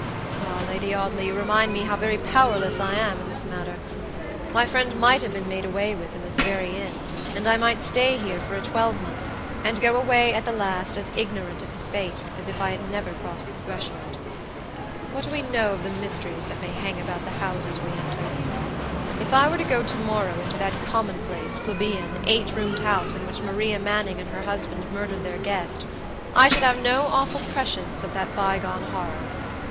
"Ah, Lady Audley, you remind me how very powerless I am in this matter. My friend might have been made away with in this very inn, and I might stay here for a twelvemonth, and go away at the last as ignorant of his fate as if I had never crossed the threshold. What do we know of the mysteries that may hang about the houses we enter? If I were to go to morrow into that commonplace, plebeian, eight roomed house in which Maria Manning and her husband murdered their guest, I should have no awful prescience of that bygone horror.